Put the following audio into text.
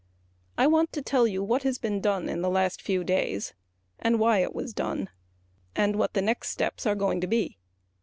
I want to tell you what has been done in the last few days, why it was done, and what the next steps are going to be.